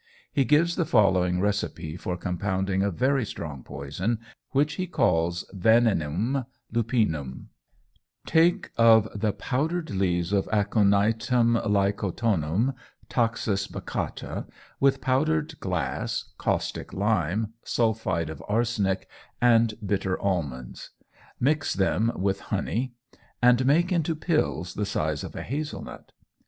He gives the following recipe for compounding a very strong poison, which he calls "Venenum Lupinum": "Take of the powdered leaves of Aconitum lycoctonum, Taxus baccata, with powdered glass, caustic lime, sulphide of arsenic, and bitter almonds. Mix them with honey, and make into pills the size of a hazel nut."